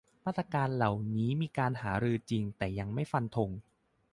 มาตรการเหล่านี้มีการหารือจริง แต่ยังไม่ฟันธง